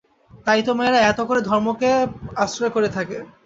তাই তো মেয়েরা এত করে ধর্মকে আশ্রয় করে থাকে।